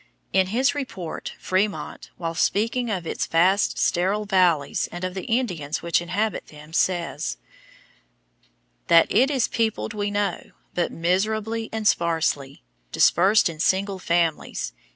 In his report, Frémont, while speaking of its vast sterile valleys and of the Indians which inhabit them, says: "That it is peopled we know, but miserably and sparsely ... dispersed in single families